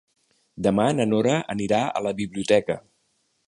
Demà na Nora anirà a la biblioteca.